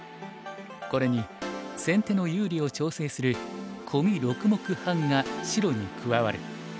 これに先手の有利を調整するコミ６目半が白に加わる。